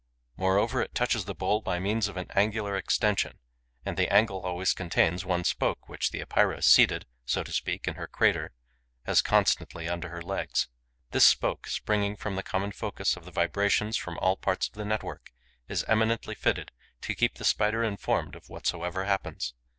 Moreover, it touches the bowl by means of an angular extension; and the angle always contains one spoke which the Epeira, seated, so to speak, in her crater, has constantly under her legs. This spoke, springing from the common focus of the vibrations from all parts of the network, is eminently fitted to keep the Spider informed of whatsoever happens.